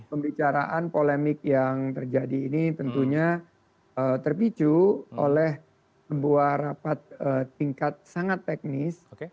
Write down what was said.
pembicaraan polemik yang terjadi ini tentunya terpicu oleh sebuah rapat tingkat sangat teknis